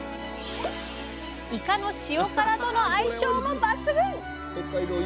イカの塩辛との相性も抜群！